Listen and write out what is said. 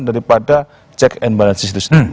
daripada check and balances itu sendiri